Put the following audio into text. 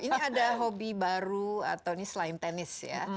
ini ada hobi baru atau ini selain tenis ya